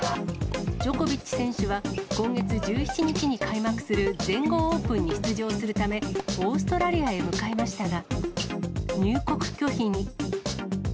ジョコビッチ選手は今月１７日に開幕する全豪オープンに出場するため、オーストラリアへ向かいましたが、入国拒否に。